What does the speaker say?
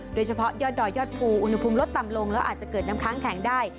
โดยเฉพาะยอดดอยยอดภูอุณหภูมิลดต่ำลงแล้วอาจจะเกิดน้ำค้างแข็งได้